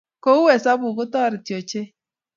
Kou hesabuk ko netoreti ochei